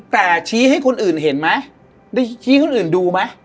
แต่ชี้ให้คนอื่นเห็นมั้ยได้ชี้คนอื่นดูมั้ย